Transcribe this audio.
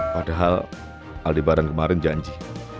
padahal aldi barang kemarin janji